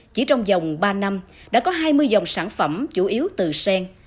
chỉ trong dòng ba năm đã có hai mươi dòng sản phẩm chủ yếu từ sen